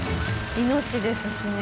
命ですしね。